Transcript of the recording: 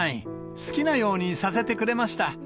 好きなようにさせてくれました。